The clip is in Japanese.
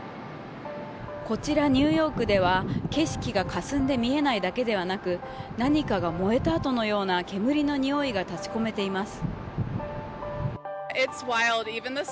こちら、ニューヨークでは景色がかすんで見えないだけでなく何かが燃えたあとのような煙のにおいが立ち込めています。